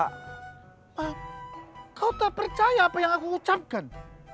kamu tak percaya apa yang aku ucapkan